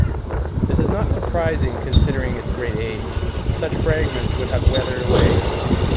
This is not surprising considering its great age; such fragments would have weathered away.